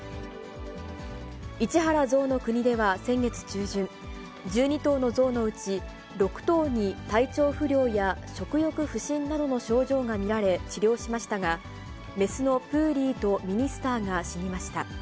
市原ぞうの国では先月中旬、１２頭の象のうち６頭に体調不良や食欲不振などの症状が見られ、治療しましたが、雌のプーリーとミニスターが死にました。